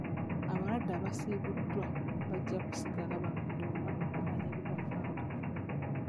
Abalwadde abasiibuddwa bajja kusigala balondoolwa okumanya ebibafaako.